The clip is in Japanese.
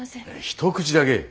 一口だけ。